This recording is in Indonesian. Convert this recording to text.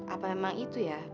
apa emang itu ya